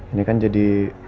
ini kan jadi